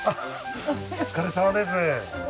お疲れさまです